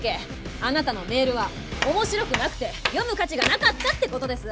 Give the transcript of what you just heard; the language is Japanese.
あなたのメールは面白くなくて読む価値がなかったって事です。